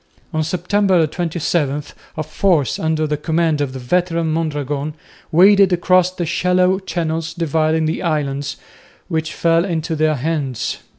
On September 27 a force under the command of the veteran Mondragon waded across the shallow channels dividing the islands, which fell into their hands.